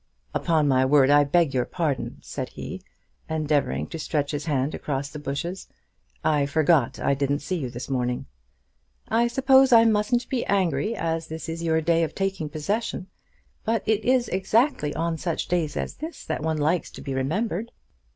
"Upon my word, I beg your pardon," said he, endeavouring to stretch his hand across the bushes. "I forgot I didn't see you this morning." "I suppose I mustn't be angry, as this is your day of taking possession; but it is exactly on such days as this that one likes to be remembered."